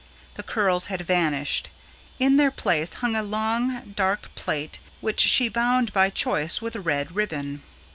The curls had vanished. In their place hung a long, dark plait, which she bound by choice with a red ribbon.